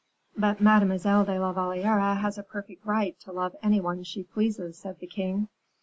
"But Mademoiselle de la Valliere has a perfect right to love any one she pleases," said the king.